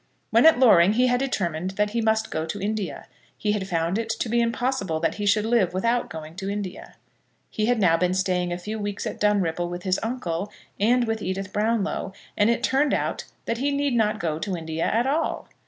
When at Loring he had determined that he must go to India. He had found it to be impossible that he should live without going to India. He had now been staying a few weeks at Dunripple with his uncle, and with Edith Brownlow, and it turned out that he need not go to India at all.